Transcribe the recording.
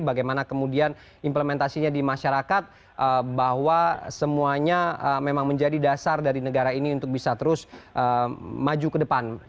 bagaimana kemudian implementasinya di masyarakat bahwa semuanya memang menjadi dasar dari negara ini untuk bisa terus maju ke depan